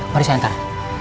mari saya antar